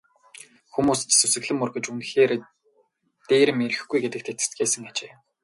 Хүмүүс ч сүсэглэн мөргөж үнэхээр дээрэм ирэхгүй гэдэгт итгэцгээсэн ажээ.